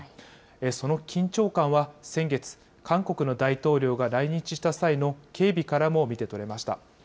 その緊張感は、先月、韓国の大統領が来日した際の警備からも見て取れました。